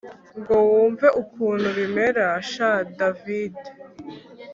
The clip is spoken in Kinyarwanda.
ngo wumve ukuntu bimera sha davide!